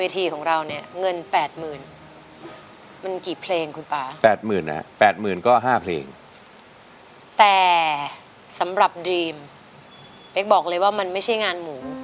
แต่สำหรับดรีมเป๊กบอกเลยว่ามันไม่ใช่งานหมู